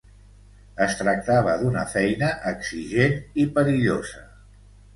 Es tractava d'una feina exigent i perillosa.